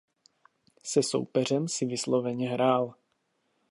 Se soupeřem si vysloveně hrál.